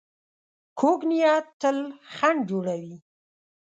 کوږ نیت تل خنډ جوړوي